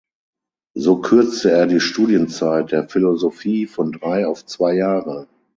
So kürzte er die Studienzeit der Philosophie von drei auf zwei Jahre.